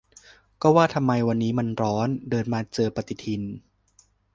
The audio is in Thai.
ก็ว่าทำไมวันนี้มันร้อน เดินมาเจอปฏิทิน